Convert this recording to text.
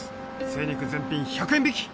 精肉全品１００円引き！